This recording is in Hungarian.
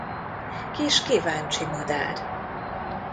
Kis kíváncsi madár.